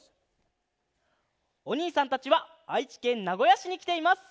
おにいさんたちはあいちけんなごやしにきています！